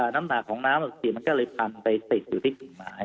น้ำหนักของน้ำอักษิณมันก็เลยพันไปติดอยู่ที่กิ่งไม้